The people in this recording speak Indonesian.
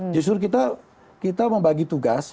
justru kita membagi tugas